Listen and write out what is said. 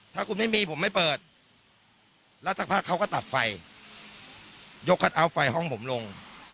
ถ้าคุณไม่มีผมไม่เปิดแล้วสักพักเขาก็ตัดไฟยกคัทเอาท์ไฟห้องผมลง